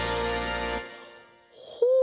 ほう！